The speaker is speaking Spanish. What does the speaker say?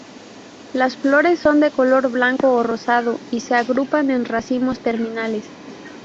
Las flores son de color blanco o rosado y se agrupan en racimos terminales.